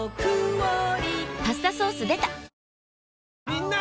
みんな！